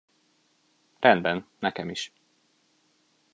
Rendben, nekem is.